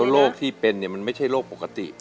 แล้วโรคที่เป็นเนี่ยมันไม่ใช่โรคปกติ